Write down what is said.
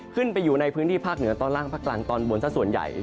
ขึ้นไปอยู่ในพื้นที่ภาคเหนือตอนล่างภาคกลางตอนบนซะส่วนใหญ่